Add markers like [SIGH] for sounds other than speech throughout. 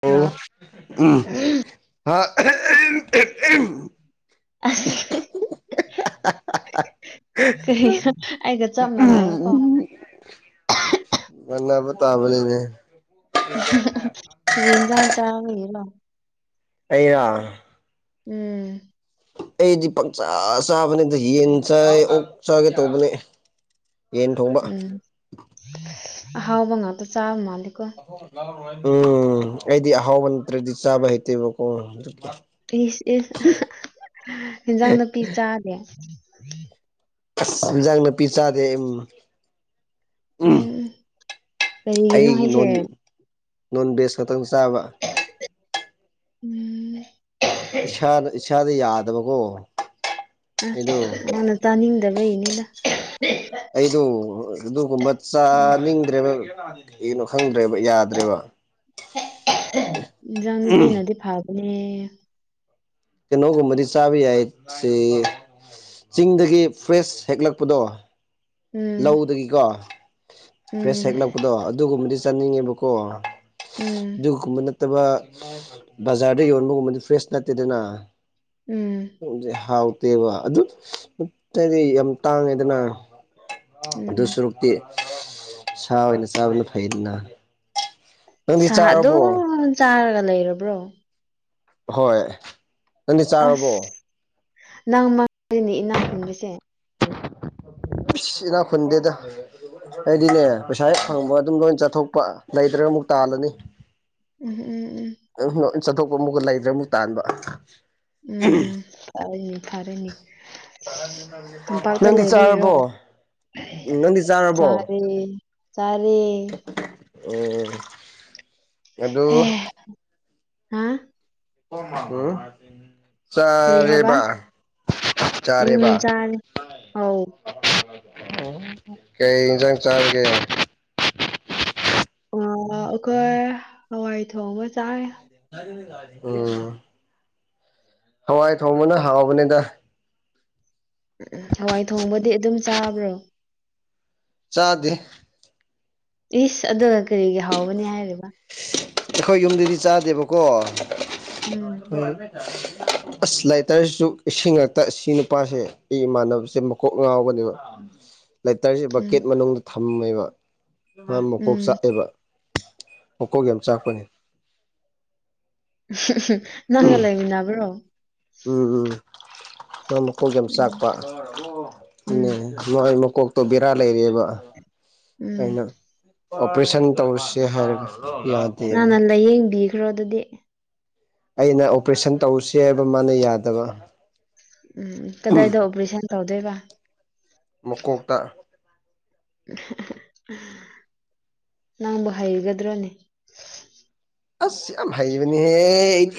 ꯑꯣ ꯍꯥ ꯑ ꯀꯔꯤ ꯑꯩꯒ ꯆꯞ ꯃꯥꯟꯅꯩ ꯀꯣ ꯉꯅꯥꯕ ꯇꯕ ꯂꯩꯅꯦ ꯎ ꯔꯔꯤꯟꯖꯥꯟ ꯆ ꯍꯔ ꯑꯩꯅ ꯎꯝ ꯑꯩꯗꯤ ꯄꯪꯆꯥ ꯆꯥꯕꯅꯦꯗ ꯌꯦꯟ ꯆ ꯑꯣꯛ ꯆꯥꯒꯦ ꯇꯧꯕꯅꯦ ꯌꯦꯟ ꯊꯣꯡꯕ ꯎꯝ ꯍꯥꯎꯕꯉꯗ ꯆꯥꯕ ꯃꯥꯂꯀꯣ ꯎꯝ ꯑꯩꯗꯤ ꯑꯍꯥꯎꯕ ꯅꯠꯇ꯭ꯔꯗꯤ ꯆꯥꯕ ꯍꯩꯇꯦꯕꯀꯣ ꯏꯁ ꯏꯁ ꯏꯟꯖꯥꯡ ꯅꯥꯄꯤ ꯆꯥꯗꯦ ꯑꯁ ꯏꯤꯟꯖꯥꯡ ꯅꯥꯄꯤ ꯆꯥꯗꯦ ꯎꯝ ꯀꯔꯤꯒꯤꯅꯣ ꯑꯩ ꯍꯥꯏꯁꯦ ꯅꯣꯟ ꯅꯣꯟ ꯚꯦꯖ ꯈꯛꯇꯪ ꯆꯥꯕ ꯎꯝ ꯏꯁꯥꯅ ꯏꯁꯥꯗ ꯌꯥꯗꯕꯀꯣ ꯑꯩꯗꯣ ꯑ ꯑꯅ ꯇꯥꯅꯤꯡꯗꯕ ꯏꯅꯤꯗ ꯍ ꯑꯩꯗꯣ ꯑꯗꯨꯒꯨꯝꯕ ꯆꯥꯅꯤꯡꯗ꯭ꯔꯦꯕ ꯀꯒꯤꯩꯅꯣ ꯈꯪꯗ꯭ꯔꯦꯕ ꯌꯥꯗ꯭ꯔꯦꯕ ꯎ ꯎꯝ ꯀꯩꯅꯣꯒꯨꯝꯕꯗꯤ ꯆꯥꯕ ꯌꯥꯏ ꯁꯤ ꯆꯤꯡꯗꯒꯤ ꯐ꯭ꯔꯦꯁ ꯍꯦꯛꯂꯛꯄꯗꯣ ꯎꯝ ꯂꯧꯗꯒꯤꯀꯣ ꯐ꯭ꯔꯦꯁ ꯎꯝ ꯍꯦꯛꯂꯛꯄꯗꯣ ꯑꯗꯨꯒꯨꯝꯕꯗꯤ ꯆꯥꯅꯤꯡꯉꯦꯕꯀꯣ ꯎꯝ ꯑꯗꯨꯒꯨꯝꯕ ꯅꯠꯇꯕ ꯕꯖꯥꯔꯗ ꯌꯣꯟꯕꯒꯨꯝꯕꯗꯤ ꯐ꯭ꯔꯦꯁ ꯅꯠꯇꯦꯗꯅ ꯎꯝ ꯁꯦ ꯍꯥꯎꯇꯦꯕ ꯑꯗꯨꯗꯤ ꯌꯥꯝ ꯇꯥꯡꯉꯦꯗꯅ ꯑꯗꯨ ꯎꯝ ꯁꯨꯔꯨꯛꯇꯤ ꯁꯥ ꯑꯣꯏꯅ ꯆꯥꯕꯅ ꯐꯩꯗꯅ ꯅꯪꯗꯤ ꯁꯥ ꯆꯥꯔꯕꯣ ꯑꯗꯨꯝ ꯆꯥꯔꯒ ꯂꯩꯔꯕ꯭ꯔꯣ ꯍꯣꯏ ꯅꯪꯗꯤ ꯆꯥꯔꯕꯣ ꯑꯁ ꯅꯪ ꯃꯔꯤꯅꯤ ꯏꯅꯥꯈ ꯈꯨꯟꯕꯁꯦ ꯁꯤꯅꯥ ꯈꯨꯨꯟꯗꯦꯗ ꯑꯩꯗꯤꯅꯦ ꯄꯩꯁꯥ ꯍꯦꯛ ꯐꯪꯕ ꯑꯗꯨꯝ ꯂꯣꯏ ꯆꯠꯊꯣꯛꯄ ꯂꯩꯇ꯭ꯔꯒ ꯑꯃꯨꯛ ꯇꯥꯜꯂꯅꯤ ꯎꯝꯝ ꯎꯝ ꯎꯝ ꯎ ꯆꯠꯊꯣꯛꯄ ꯑꯃꯨꯛꯀ ꯂꯩꯗ꯭ꯔꯦ ꯑꯃꯨꯛ ꯇꯥꯟꯕ ꯎꯝ ꯐꯔꯦꯅꯤ ꯐꯔꯦꯅꯤ ꯅꯪꯗꯤ ꯂꯩꯕꯒꯤꯔꯣ ꯆꯥꯔꯕꯣ ꯎꯝ ꯅꯪꯗꯤ ꯆꯥꯔꯕꯣ ꯆꯥꯔꯦ ꯆꯥꯔꯦ ꯎꯝ ꯑꯗꯨ ꯑꯦ ꯍꯥ ꯎ ꯀꯔꯤ ꯍꯥꯏꯕ ꯆꯔꯦꯕ ꯎꯝ ꯆꯔꯦꯕ ꯆꯥꯔꯦ ꯑꯧ ꯀꯩ ꯏꯖꯥꯡ ꯆꯥꯔꯒ ꯑ ꯑꯩꯈꯣꯏ ꯍꯋꯥꯏ ꯊꯣꯡꯕ ꯆꯥꯏ ꯎꯝ ꯍꯋꯥꯏ ꯊꯣꯡꯕꯅ ꯍꯥꯎꯕꯅꯤꯗ ꯎꯝ ꯍꯋꯥꯏ ꯊꯣꯡꯕꯗꯤ ꯑꯗꯨꯝ ꯆꯥꯕ꯭ꯔꯣ ꯆꯥꯗꯦ ꯏꯁ ꯑꯗꯨꯒ ꯀꯔꯤꯒꯤ ꯍꯥꯎꯕꯅꯤ ꯍꯥꯏꯔꯤꯕ ꯑꯩꯈꯣꯏ ꯌꯨꯝꯗꯗꯤ ꯆꯥꯗꯦꯕꯀꯣ ꯎ ꯎꯝ ꯑꯁ ꯂꯥꯏꯇꯔꯁꯤꯁꯨ ꯏꯁꯤꯡꯉꯛꯇ ꯁꯤ ꯅꯨꯄꯥꯁꯦ ꯑꯩ ꯏꯃꯥꯟꯅꯕꯁꯦ ꯃꯀꯣꯛ ꯉꯥꯎꯕꯅꯦꯕ ꯂꯩꯇꯔꯁꯦ ꯎꯝ ꯕꯛꯀꯦꯠ ꯃꯅꯨꯡꯗ ꯊꯝꯃꯦꯕ ꯑ ꯃꯀꯣꯛ ꯎꯝ ꯆꯥꯛꯑꯦꯕ ꯐꯣꯀꯣꯒꯤ ꯌꯥꯝ ꯆꯥꯛꯄꯅꯤ ꯅꯪꯒ ꯂꯩ ꯃꯤꯅꯥꯕ꯭ꯔꯣ ꯎꯝ ꯎꯝ ꯃꯥ ꯃꯈꯣꯡꯒꯤ ꯌꯥꯝ ꯎꯝ ꯆꯥꯛꯄ ꯎ ꯎꯝ ꯃꯣꯏ ꯃꯀꯣꯛꯇꯣ ꯕꯤꯔꯥ ꯂꯩꯔꯦꯕ ꯎꯝ ꯑꯩꯅ ꯑꯣꯄꯔꯦꯁꯟ ꯇꯧꯁꯦ ꯍꯥꯏꯔꯒ ꯌꯥꯗꯦ ꯅꯪꯅ ꯂꯥꯏꯌꯦꯡꯕꯤꯈ꯭ꯔꯣ ꯑꯗꯨꯗꯤ ꯑꯩꯅ ꯑꯣꯄꯔꯦꯁꯟ ꯇꯧꯁꯤ ꯍꯥꯏꯕ ꯃꯥꯅ ꯌꯥꯗꯕ ꯎꯝ ꯀꯗꯥꯏꯗ ꯑꯣꯄꯔꯦꯁꯟ ꯇꯧꯗꯣꯏꯕ ꯃꯀꯣꯛꯇ ꯅꯪꯕꯨ ꯍꯩꯒꯗ꯭ꯔꯣꯅꯦ ꯑꯁ ꯌꯥꯝ ꯍꯩꯃꯤꯅꯤꯍꯦ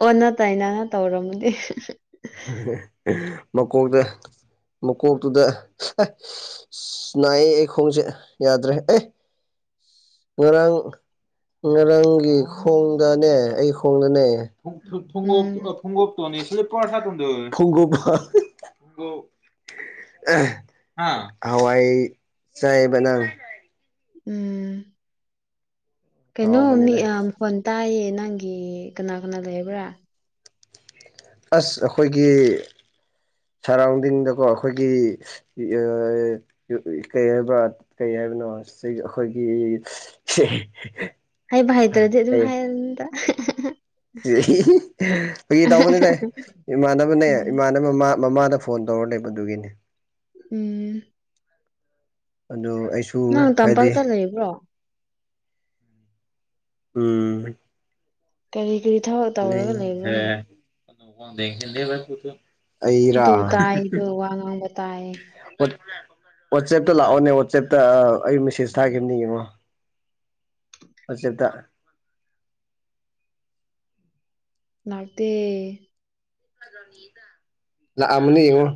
ꯎ ꯑꯣꯟꯅ ꯇꯥꯏꯅꯅ ꯇꯧꯔꯝꯃꯗꯤ ꯃꯀꯣꯛꯇ ꯃꯀꯣꯛꯇꯨꯗ ꯅꯥꯏꯌꯦ ꯑꯩ ꯈꯣꯡꯁꯦ ꯌꯥꯗ꯭ꯔꯦ ꯑꯦ ꯉꯔꯥꯡ ꯉꯔꯥꯡꯒꯤ ꯈꯣꯡꯗꯅꯦ ꯑꯩ ꯈꯣꯡꯗꯅꯦ ꯨꯡ ꯊꯨꯡꯞ ꯎꯝ ꯊꯨꯡꯒꯣꯞꯇꯅꯤꯦ ꯀꯗ ꯐꯒꯣ ꯍꯋꯥꯏ ꯆꯥꯏꯕ ꯅꯪ ꯎꯝ ꯀꯩꯅꯣ ꯃꯤ ꯍꯥꯎꯕꯅꯤꯗ ꯃꯈꯣꯟ ꯇꯥꯏꯌꯦ ꯅꯪꯒꯤ ꯀꯅꯥ ꯀꯅꯥ ꯂꯩꯔꯕ꯭ꯔꯥ ꯑꯁ ꯑꯩꯈꯣꯏꯒꯤ ꯁꯔꯥꯎꯟꯗꯤꯡꯗꯀꯣ ꯑꯩꯈꯣꯏꯒꯤ ꯀꯩ ꯍꯥꯏꯕ꯭ꯔꯥ ꯀꯩ ꯍꯥꯏꯕꯅꯣ ꯑꯩꯈꯣꯏꯒꯤ ꯍ ꯍꯥꯏ ꯥꯏ ꯇ꯭ꯔꯗꯤ ꯑꯗꯨ ꯑꯗꯨ ꯐ ꯑꯩꯣꯏꯒꯤ ꯇꯎꯕꯅꯦ ꯇꯥꯏ ꯏꯃꯥꯟꯅꯕꯅꯦ ꯎꯝ ꯏꯃꯥꯟꯅꯕ ꯃꯃ ꯃꯃꯥꯗ ꯐꯣꯟ ꯇꯧꯔ ꯂꯩꯕꯗꯨꯒꯤꯅꯤ ꯎꯝ ꯑꯗꯨ ꯑꯩꯁꯨ ꯅꯪ ꯇꯝꯄꯥꯛ ꯍꯥꯏꯗꯤ ꯇꯔꯗ ꯏꯕ꯭ꯔꯣ ꯎꯝ ꯀꯔꯤ ꯀꯔꯤ ꯊꯕꯛ ꯇꯧꯔꯒ ꯂꯩꯔꯣꯅꯤ ꯗꯦ ꯑꯩꯔ ꯑꯗꯨ ꯇꯥꯏꯗꯣ ꯋꯥ ꯉꯥꯡꯕ ꯇꯥꯏ ꯋꯥꯆꯦꯞꯇ ꯂꯥꯛꯑꯣꯅꯦ ꯋꯥꯆꯦꯞꯇ ꯑꯩ ꯃꯦꯁꯦꯁ ꯊꯥꯈꯤꯕꯅꯦ ꯌꯦꯡꯉꯣ ꯍꯧꯖꯤꯗ ꯂꯅꯥꯥꯛꯇꯦ ꯑꯅꯤꯉ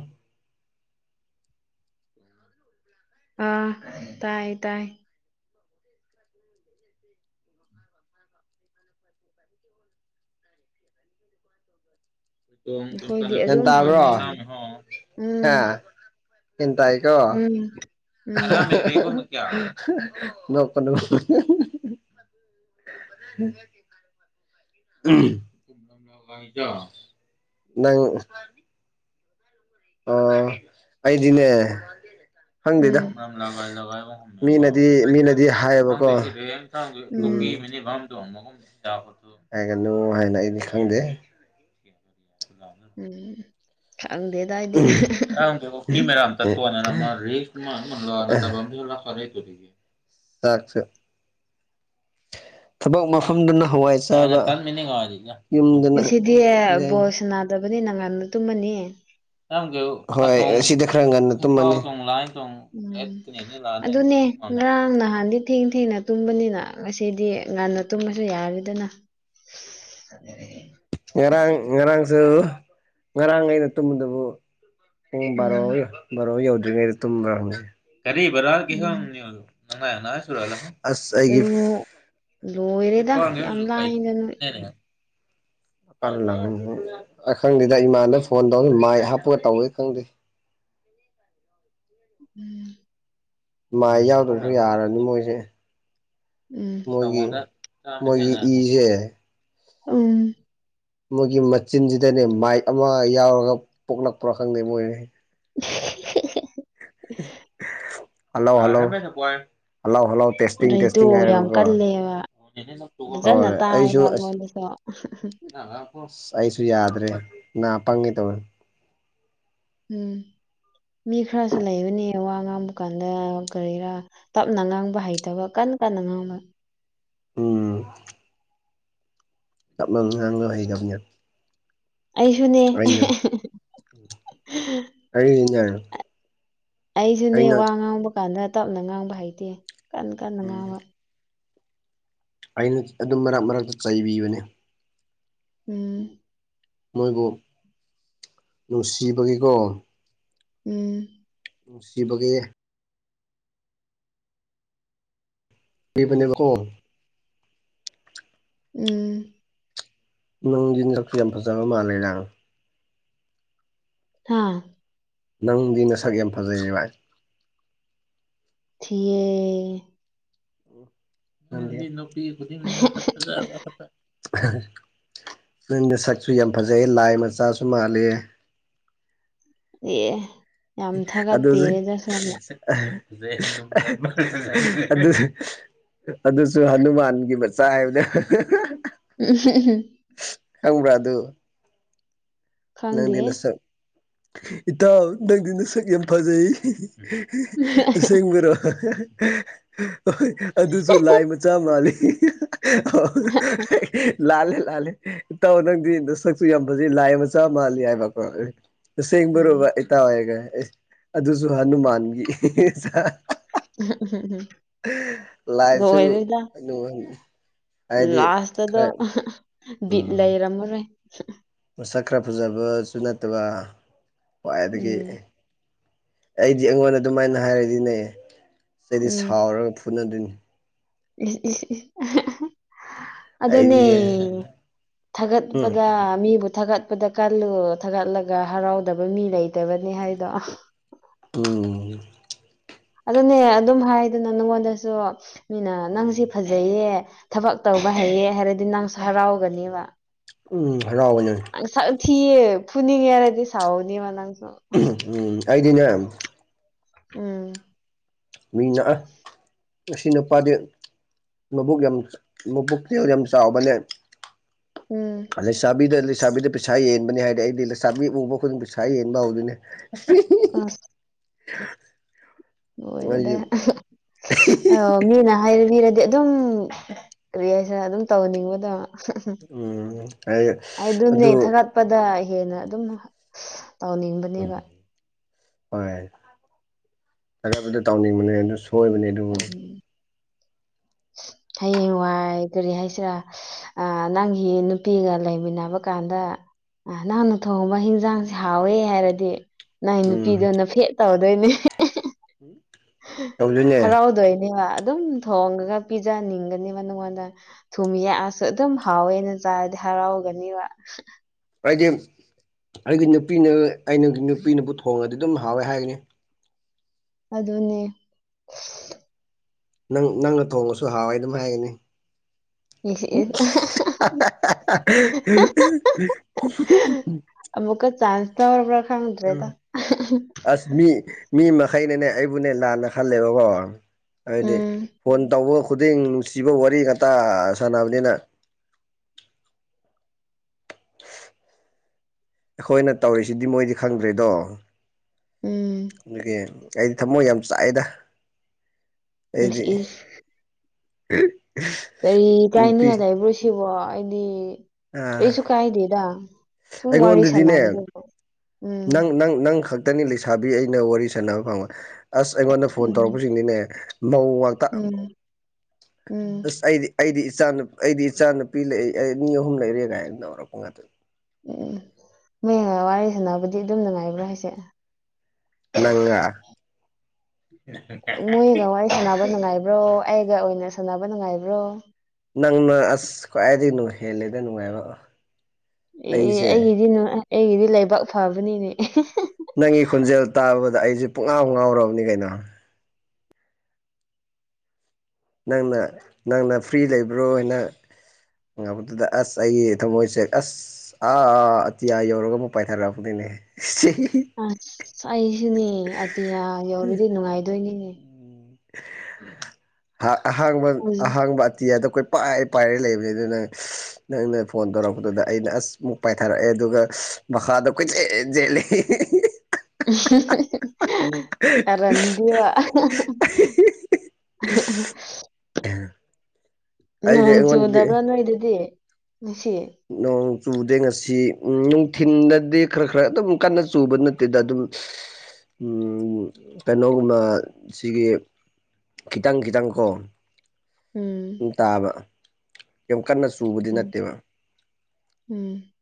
ꯑꯥ ꯇꯥꯏ ꯇꯥꯏ [INAUDIBLE] [INAUDIBLE] ꯑꯩꯈꯣꯏꯗꯤ ꯑꯗꯨꯝ ꯍꯥꯡꯅꯩꯌꯦ ꯎꯝ ꯟ꯭ꯔꯣ ꯎꯝ ꯍꯟꯇ ꯎꯝ ꯑꯣ ꯅꯀꯅ ꯅꯪ ꯑꯣ ꯑꯩꯗꯤꯅꯦ ꯍꯪꯗꯦꯗ ꯎꯝ ꯃꯤꯅꯗꯤ ꯃꯤꯅꯗꯤ ꯍꯥꯏꯌꯦꯕꯀꯣ ꯎꯝ ꯍꯥꯏꯒꯅꯨ ꯍꯥꯏꯅ ꯑꯩꯗꯤ ꯈꯪꯗꯦ [UNINTELLIGIBLE] ꯎꯝ ꯈꯪꯗꯦ ꯌꯥ ꯀꯀꯣ ꯍ ꯃ ꯔꯝꯣ ꯔꯦꯂꯔꯦ ꯁꯥꯠꯆ ꯊꯕꯛ ꯃꯐꯝꯗꯨꯅ ꯍꯋꯥꯏ ꯆꯥꯔ ꯉꯁꯤꯗꯤ ꯕꯣꯁ ꯅꯥꯗꯕꯅꯤ ꯅꯉꯥꯟꯅ ꯇꯨꯝꯃꯅꯤ ꯍꯣꯏ ꯁꯤꯗ ꯈꯔ ꯉꯟꯅ ꯇꯨꯝꯃꯅꯤ ꯎꯝ ꯑꯗꯨꯅꯦ ꯉꯔꯥꯡ ꯅꯍꯥꯟꯗꯤ ꯊꯦꯡꯅ ꯊꯦꯡꯅ ꯇꯨꯝꯕꯅꯤꯅ ꯉꯁꯤꯗꯤ ꯉꯟꯅ ꯇꯨꯝꯕꯁꯨ ꯌꯥꯔꯤꯗꯅ ꯉꯔꯥꯡ ꯉꯔꯥꯡꯁꯨ ꯉꯔꯥꯡ ꯑꯩꯅ ꯇꯨꯝꯕꯗꯕꯨ ꯎ ꯕꯥꯔꯣ ꯎꯝ ꯕꯥꯔꯣ ꯌꯧꯗ꯭ꯔꯤꯉꯩꯗ ꯇꯨꯝꯕꯦ ꯀ ꯕꯔꯥ ꯎꯝ ꯅꯪꯉꯥꯏꯅꯥ ꯁꯨꯔꯂ ꯑꯁ ꯀꯩꯅꯣ ꯂꯣꯏꯔꯦꯗ ꯑꯩꯒꯤꯐꯄꯒꯦ ꯌꯥꯝ ꯍꯧ ꯀ ꯂꯩ ꯂꯥꯏꯗ ꯅꯣꯏ ꯄ ꯂꯥꯛꯅꯤ ꯑꯈꯪꯗꯦꯗ ꯏꯃꯥꯟꯗ ꯐꯣꯟ ꯇꯧꯅ ꯃꯥꯏ ꯍꯥꯞꯄꯒ ꯇꯧꯋꯦ ꯈꯪꯗꯦ ꯎꯝ ꯃꯥꯏ ꯌꯥꯎꯗ꯭ꯔꯁꯨ ꯌꯥꯔꯅꯤ ꯃꯣꯏꯁꯦ ꯎꯝ ꯃꯣꯏꯒꯤ ꯃꯣꯏꯒꯤ ꯏꯁꯦ ꯎꯝ ꯃꯣꯏꯒꯤ ꯃꯆꯤꯟꯁꯤꯗꯅꯦ ꯃꯥꯏꯞ ꯑꯃ ꯌꯥꯎꯔꯒ ꯄꯣꯛꯂꯛꯄ꯭ꯔꯥ ꯈꯪꯗꯦ ꯃꯣꯏꯅ [UNINTELLIGIBLE] hello hello hello hello testing ꯑꯗꯩꯗꯣ ꯇꯦꯁꯇꯤꯡ ꯌꯥꯝ ꯍꯥꯏꯔꯒꯀꯣ ꯀꯜꯂꯦꯕ ꯐꯖꯅ ꯍꯣꯏ ꯑꯩꯁꯨ ꯇꯥꯏꯕ ꯑꯁ ꯑꯩꯉꯣꯟꯗꯁꯨ ꯑꯁ ꯑꯩꯁꯨ ꯌꯥꯗ꯭ꯔꯦ ꯄꯪꯉꯦ ꯇꯧꯅꯤ ꯎꯝ ꯃꯤ ꯈꯔꯁꯨ ꯂꯩꯕꯅꯦ ꯋꯥ ꯉꯥꯡꯕ ꯀꯥꯟꯗ ꯀꯔꯤꯔꯥ ꯇꯞꯅ ꯉꯥꯡꯕ ꯍꯩꯇꯕ ꯀꯟꯅ ꯀꯟꯅ ꯉꯥꯡꯕ ꯎꯝ ꯀꯞꯅ ꯉꯥꯡꯂꯣ ꯍꯩꯒꯝꯕꯅꯦ ꯑꯩꯁꯨꯅꯦ ꯑꯩꯅꯦ ꯑꯩꯁꯨꯅꯦ ꯋꯥ ꯉꯥꯡꯕ ꯀꯥꯟꯗ ꯇꯞꯅ ꯉꯥꯡꯕ ꯍꯩꯇꯦ ꯀꯟ ꯀꯟꯅ ꯎꯝ ꯉꯥꯡꯕ ꯑꯩꯅ ꯑꯗꯨꯝ ꯃꯔꯛ ꯃꯔꯛꯇ ꯆꯩꯕꯤꯕꯅꯤ ꯎꯝ ꯃꯣꯏꯕꯨ ꯅꯨꯡꯁꯤꯕꯒꯤꯀꯣ ꯎꯝ ꯅꯨꯡꯁꯤꯕꯒꯤ ꯍꯩꯕꯅꯦꯕꯀꯣ ꯎꯝ ꯅꯪꯗꯤ ꯅꯈꯨ ꯌꯥꯝ ꯐꯖꯕ ꯃꯥꯜꯂꯦꯗꯥꯡ ꯍꯥꯥ ꯅꯪꯗꯤ ꯅꯁꯛ ꯌꯥꯝ ꯐꯖꯩꯌꯦ ꯚꯥꯏ ꯊꯤꯌꯦ ꯅꯪꯗꯤ ꯅꯨꯄꯤ ꯈꯨꯗꯤꯡ ꯅꯁꯛ ꯐꯖꯕ ꯉꯥꯛꯇ ꯅꯪ ꯅꯁꯛꯁꯨ ꯌꯥꯝ ꯐꯖꯩꯌꯦ ꯂꯥꯏ ꯃꯆꯥꯁꯨ ꯃꯥꯂꯤꯌꯦ ꯑꯦ ꯌꯥꯝ ꯑꯗꯨꯖꯨ ꯊꯥꯒꯠꯄꯤꯔꯦꯗ ꯁꯣꯝꯅ ꯑꯗꯨꯖꯨ ꯑꯗꯨꯁꯨ ꯍꯟꯅꯨꯃꯥꯟꯒꯤ ꯃꯆꯥ ꯍꯥꯏꯕꯅꯦ ꯎꯝ ꯍꯨꯝ ꯍꯨꯝ ꯈꯪꯕ꯭ꯔꯥ ꯑꯗꯨ ꯈꯪꯗꯦ ꯅꯪꯗꯤ ꯅꯁꯛ ꯏꯇꯥꯎ ꯅꯪꯗꯤ ꯅꯁꯛ ꯌꯥꯝ ꯐꯖꯩ ꯑꯁꯦꯡꯕꯔꯣ ꯍꯣꯏ ꯑꯗꯨꯁꯨ ꯂꯥꯏ ꯃꯆꯥ ꯃꯥꯜꯂꯤ ꯂꯥꯜꯂꯦ ꯂꯥꯜꯂꯦ ꯏꯇꯥꯎ ꯅꯪꯗꯤ ꯅꯁꯛꯁꯨ ꯌꯥꯝ ꯐꯖꯩ ꯂꯥꯏ ꯃꯆꯥ ꯃꯥꯜꯂꯤ ꯍꯥꯏꯕ ꯀꯣ ꯇꯁꯦꯡꯕꯔꯣ ꯎꯝ ꯕꯥꯏ ꯏꯇꯥꯥꯎꯍꯥꯏꯔꯒ ꯑꯦ ꯑꯗꯨꯁꯨ ꯍꯅꯨꯃꯥꯟꯒꯤ ꯃꯆꯥ ꯂꯥꯏꯁꯨ ꯂꯣꯏꯔꯦꯗ ꯍꯅꯨꯃꯥꯟ ꯍꯥꯏꯗꯤ ꯂꯥꯁꯇꯗ ꯈꯔ ꯕꯤꯠ ꯎꯝ ꯂꯩꯔꯝꯃꯔꯣꯏ ꯃꯁꯛ ꯈꯔ ꯐꯖꯕꯁꯨ ꯅꯠꯇꯕ ꯈ꯭ꯋꯥꯏꯗꯒꯤ ꯎꯝ ꯑꯩꯗꯤ ꯑꯩꯉꯣꯟꯗ ꯑꯗꯨꯃꯥꯏꯅ ꯍꯥꯏꯔꯗꯤꯅꯦ ꯑꯩꯗꯤ ꯎꯝ ꯁꯥꯎꯔꯒ ꯐꯨꯅꯗꯣꯏꯅꯤ ꯏꯁ ꯏꯁ ꯏꯁ ꯑꯗꯨꯅꯦ ꯑꯩꯗꯤ ꯎꯝ ꯊꯥꯒꯠꯄꯗ ꯃꯤꯕꯨ ꯊꯥꯒꯠ ꯗꯀꯜꯂꯤꯌꯨ ꯊꯥꯒꯠꯂꯒ ꯍꯔꯥꯎꯗꯕ ꯃꯤ ꯂꯩꯇꯕꯅꯤ ꯍꯥꯏꯗꯣ ꯎꯝ ꯑꯗꯨꯅꯦ ꯑꯗꯨꯝ ꯍꯥꯏꯗꯅ ꯅꯪꯉꯣꯟꯗꯁꯨ ꯃꯤꯅ ꯎꯝ ꯅꯪꯁꯤ ꯐꯖꯩꯌꯦ ꯊꯕꯛ ꯇꯧꯕ ꯍꯩꯌꯦ ꯍꯥꯏꯔꯗꯤ ꯅꯪꯁꯨ ꯍꯔꯥꯎꯒꯅꯦꯕ ꯎꯝ ꯍꯔꯥꯎꯕꯅꯦ ꯅꯪ ꯁꯛ ꯊꯤꯌꯦ ꯐꯨꯅꯤꯡꯉꯦ ꯍꯥꯏꯔꯗꯤ ꯁꯥꯥꯎꯒꯅꯤꯕ ꯅꯪꯁꯨ ꯎꯝ ꯑꯩꯗꯤꯅꯦ ꯎꯝ ꯃꯤꯅ ꯑ ꯑꯁꯤ ꯅꯨꯄꯥꯗꯤ ꯃꯕꯨꯛ ꯌꯥꯝ ꯃꯕꯨꯛ ꯌꯥꯝ ꯆꯥꯎꯕꯅꯦ ꯎꯝ ꯂꯩꯁꯥꯕꯤꯗ ꯂꯩꯁꯥꯕꯤꯗ ꯄꯤꯁꯥ ꯌꯦꯟꯕꯅꯤ ꯍꯥꯏꯗꯤ ꯑꯩꯗꯤ ꯂꯩꯁꯥꯕꯤ ꯎꯕ ꯈꯨꯗꯤꯡ ꯄꯩꯁꯥ ꯌꯦꯟꯕ ꯍꯧꯗꯣꯏꯅꯦ ꯑ ꯑꯩꯗꯤ ꯂꯣꯏꯔꯦꯗ ꯑꯧ ꯃꯤꯅ ꯍꯥꯏꯔꯤ ꯃꯤꯔꯗꯤ ꯑꯗꯨꯝ ꯀꯔꯤ ꯍꯥꯏꯁ ꯑꯗꯨꯝ ꯇꯧꯍꯟꯅꯤꯡꯕꯗꯣ ꯑꯩ ꯑꯗꯨꯅꯤ ꯑꯗꯨ ꯏ ꯊꯒꯠ ꯀꯄꯗ ꯍꯦꯟꯅ ꯑꯗꯨꯝ ꯇꯧꯅꯤꯡꯕꯅꯦꯕ ꯍꯣꯏ ꯊꯒꯠꯄꯗ ꯇꯧꯅꯤꯡꯕꯅꯦ ꯑꯗꯨ ꯁꯣꯏꯕꯅꯦ ꯑꯗꯨꯕꯨ ꯎꯝ [INAUDIBLE] ꯍꯌꯦꯡ ꯋꯥꯏ ꯀꯔꯤ ꯍꯥꯏꯁꯤꯔꯥ ꯑ ꯅꯪꯒꯤ ꯅꯨꯄꯤꯒ ꯂꯩꯃꯤꯟꯅꯕ ꯀꯥꯟꯗ ꯑ ꯅꯪꯅ ꯊꯣꯡꯕ ꯍꯦꯟꯖꯥꯡꯁꯦ ꯍꯥꯎꯋꯦ ꯍꯥꯏꯔꯗꯤ ꯃꯥꯏ ꯎꯝ ꯅꯨꯄꯤꯗꯣꯅ ꯐꯦꯠ ꯇꯧꯗꯣꯏꯅꯤ ꯍꯨꯝ ꯍꯔꯥꯎꯗꯣꯏꯅꯦꯕ ꯑꯗꯨꯝ ꯊꯣꯡꯉꯒ ꯄꯤꯖꯅꯤꯡꯒꯅꯦꯕ ꯅꯉꯣꯟꯗ ꯊꯨꯝ ꯌꯥꯛꯑꯁꯨ ꯑꯗꯨꯝ ꯍꯥꯎꯋꯦꯅ ꯆꯥꯔꯗꯤ ꯍꯔꯥꯎꯒꯅꯤꯕ ꯑꯩꯗꯤꯝ ꯑꯩꯒꯤ ꯅꯨꯄꯤꯅ ꯑꯩꯅ ꯅꯨꯄꯤꯅꯕꯨ ꯊꯣꯡꯉꯗꯤ ꯑꯗꯨꯝ ꯍꯥꯎꯋꯦ ꯍꯥꯏꯒꯅꯤ ꯑꯗꯨꯗꯅꯦ ꯅꯪ ꯅꯪꯅ ꯊꯣꯡꯕꯁꯨ ꯍꯥꯎꯋꯏ ꯑꯗꯨꯝ ꯍꯥꯏꯒꯅꯤ ꯏꯁ ꯏꯁ [UNINTELLIGIBLE] ꯃꯛꯀ ꯆꯥꯟꯁ ꯊꯔꯔꯕꯔ ꯈꯪꯇ꯭ꯔꯦ ꯑꯁ ꯃꯤ ꯃꯤ ꯃꯈꯩꯅꯅꯦ ꯑꯩꯕꯨꯅꯦ ꯂꯥꯟꯅ ꯈꯜꯂꯦꯕꯀꯣ ꯍꯥꯏꯗꯤ ꯎꯝ ꯐꯣꯟ ꯇꯧꯕ ꯈꯨꯗꯤꯡ ꯅꯨꯡꯁꯤꯕ ꯋꯥꯔꯤ ꯉꯇ ꯁꯥꯟꯅꯕꯅꯤꯅ ꯑꯩꯈꯣꯏꯅ ꯇꯧꯔꯤꯁꯤꯗꯤ ꯃꯣꯏꯗꯤ ꯈꯪꯗ꯭ꯔꯦꯗꯣ ꯎꯝ ꯑꯗꯨꯒꯤ ꯑꯩꯗꯤ ꯊꯃꯣꯏ ꯌꯥꯝ ꯆꯥꯛꯦꯗ [UNINTELLIGIBLE] ꯑꯦꯔꯤ ꯀꯥꯏꯅꯤ ꯅꯨꯄꯤ ꯍꯥꯏꯜꯂꯦꯕ ꯁꯤꯕꯣ ꯑꯩꯗꯤ ꯑꯥ ꯀꯩꯁꯨ ꯀꯥꯏꯗꯦꯗ ꯁꯨꯝ ꯋꯥꯔꯤ ꯑꯩꯉꯣꯟꯗꯗꯤꯅꯦ ꯁꯥꯟꯅꯕꯗꯨꯕꯣ ꯅꯪ ꯅꯪ ꯅꯪ ꯈꯛꯇꯅꯤ ꯂꯩꯁꯥꯕꯤ ꯑꯩꯅ ꯋꯥꯔꯤ ꯁꯥꯟꯅꯕ ꯐꯪꯉ ꯑꯁ ꯑꯩꯉꯣꯟꯗ ꯐꯣꯟ ꯎꯝ ꯇꯧꯔꯛꯄꯁꯤꯡꯅꯤꯅꯦ ꯃꯧ ꯉꯥꯛꯇ ꯎꯝ ꯑꯁ ꯎꯝ ꯑꯩꯗꯤ ꯑꯩꯗꯤ ꯏꯆꯥ ꯑꯩꯗꯤ ꯏꯆꯥ ꯅꯨꯨꯄꯤ ꯂꯩ ꯑꯩ ꯃꯤ ꯑꯍꯨꯝ ꯂꯩꯔꯦ ꯀꯥꯏꯅ ꯂꯧꯧꯔꯛꯄ ꯉꯥꯛꯇꯅꯤ ꯎꯝ ꯃ ꯋꯥꯔꯤ ꯁꯥꯟꯅꯕꯗꯤ ꯑꯗꯨꯝ ꯅꯨꯡꯉꯥꯏꯕ꯭ꯔꯥ ꯍꯥꯏꯁꯦ ꯅꯪꯒꯥꯥ ꯃꯣꯏꯒ ꯋꯥꯔꯤ ꯁꯥꯟꯅꯕ ꯅꯨꯡꯉꯥꯏꯕ꯭ꯔꯣ ꯑꯩꯒ ꯑꯣꯏꯅ ꯁꯥꯟꯅꯕ ꯅꯨꯡꯉꯥꯏꯕ꯭ꯔꯣ ꯅꯪꯅ ꯑꯁ ꯈ꯭ꯋꯥꯏꯗꯒꯤ ꯍꯦꯂꯦꯗ ꯅꯨꯡꯉꯥꯏꯕ ꯑꯦ ꯑꯩꯁꯦ ꯑꯩꯒꯤꯗꯤ ꯑꯩꯒꯤꯗꯤ ꯂꯩꯕꯥꯛ ꯐꯕꯅꯤꯅꯦ ꯅꯪꯒꯤ ꯈꯣꯟꯖꯦꯜ ꯇꯥꯕꯗ ꯑꯩꯁꯦ ꯄꯨꯡꯉꯥꯎ ꯉꯥꯎꯔꯕꯅꯤ ꯀꯩꯅꯣ ꯅꯪꯅ ꯅꯪꯅ ꯐ꯭ꯔꯤ ꯂꯩꯕ꯭ꯔꯣ ꯍꯥꯏꯅ ꯉꯕꯗꯨꯗ ꯑꯁ ꯑꯩꯒꯤ ꯊꯃꯣꯏꯁꯦ ꯑꯁ ꯑꯁ ꯑꯥꯥ ꯑꯇꯤꯌꯥ ꯌꯧꯔꯒ ꯑꯃꯨꯛ ꯄꯥꯏꯊꯔꯛꯄꯅꯤꯅꯦ ꯁꯤ ꯑꯁ ꯑꯩꯁꯤꯅꯦ ꯑꯇꯤꯌꯥ ꯌꯧꯔꯗꯤ ꯅꯨꯡꯉꯥꯏꯗꯣꯏꯅꯤ ꯎ ꯑꯍꯥꯡꯕ ꯎꯝ ꯑꯍꯥꯡꯕ ꯑꯇꯤ ꯀꯣꯏ ꯄꯥꯏ ꯄꯥꯏꯔ ꯂꯩꯕꯅꯤ ꯑꯗꯨꯅꯪ ꯅꯪꯅ ꯐꯣꯟ ꯇꯧꯔꯛꯄꯗꯨꯗ ꯑꯩꯅ ꯑꯁ ꯑꯃꯨꯛ ꯄꯥꯏꯊꯥꯔꯛꯑꯦ ꯑꯗꯨꯒ ꯃꯈꯥꯗꯣ ꯀꯨꯆꯦꯜ ꯆꯦꯜꯂꯦ ꯀꯥꯔꯟꯗꯤ [UNINTELLIGIBLE] ꯑꯩꯗꯤ ꯅꯣꯡ ꯑꯩꯉꯣꯟꯗꯗꯤ ꯆꯨꯗꯕ꯭ꯔꯥ ꯅꯣꯏꯗꯗꯤ ꯉꯁꯤ ꯅꯣꯡ ꯆꯨꯗꯦ ꯉꯁꯤ ꯅꯨꯡꯊꯤꯜꯗꯗꯤ ꯈꯔ ꯈꯔ ꯑꯗꯨꯝ ꯀꯟꯅ ꯆꯨꯕ ꯅꯠꯇꯦꯗ ꯑꯗꯨꯝ ꯀꯩꯅꯣꯒꯨꯝꯕ ꯁꯤꯒꯤ ꯈꯤꯇꯪ ꯈꯤꯇꯪ ꯀꯣ ꯎꯝ ꯇꯥꯕ ꯌꯥꯝ ꯀꯟꯅ ꯆꯨꯕꯗꯤ ꯎꯝ ꯅꯠꯇꯦꯕ ꯎꯝ